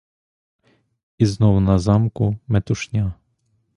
І знов на замку метушня.